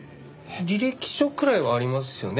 履歴書くらいはありますよね？